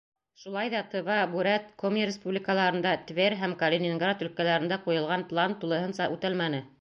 Шулай ҙа Тыва, Бүрәт, Коми Республикаларында, Тверь һәм Калининград өлкәләрендә ҡуйылған план тулыһынса үтәлмәне.